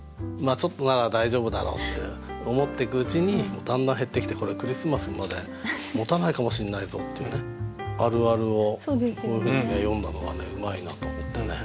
ちょっとなら大丈夫だろうって思ってくうちにだんだん減ってきてこれクリスマスまでもたないかもしんないぞっていうあるあるをこういうふうに詠んだのがうまいなと思ってね。